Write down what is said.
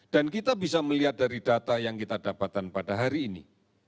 dan kita bisa melihat dari data yang kita dapatkan pada hari ini